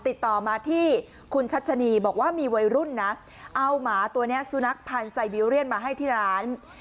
ติดต่อมาที่คุณชัชนีบอกว่ามีวัยรุ่นนะเอาหมาตัวนี้สุนัขพันธ์ไซบีเรียนมาให้ที่ร้าน